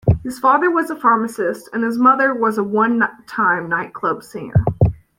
His father was a pharmacist, and his mother was a one-time nightclub singer.